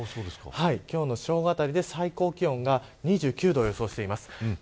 今日の正午あたりで最高気温が２９度を予想しています。